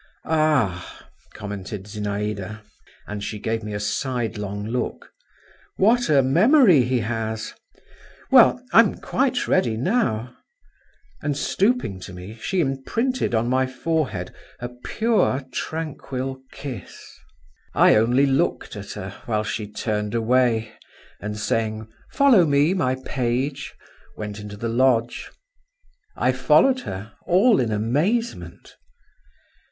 "Ah!" commented Zinaïda, and she gave me a sidelong look, "What a memory he has! Well? I'm quite ready now …" And stooping to me, she imprinted on my forehead a pure, tranquil kiss. I only looked at her, while she turned away, and saying, "Follow me, my page," went into the lodge. I followed her—all in amazement.